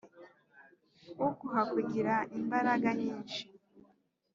uguha kugira imbaraga nyinshi